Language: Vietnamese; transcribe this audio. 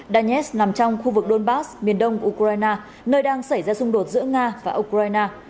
danets nằm trong khu vực donbass miền đông của ukraine nơi đang xảy ra xung đột giữa nga và ukraine